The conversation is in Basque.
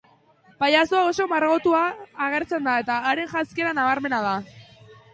Pailazoa oso margotuta agertzen da eta haren janzkera nabarmena da.